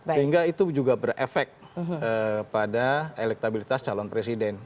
sehingga itu juga berefek pada elektabilitas calon presiden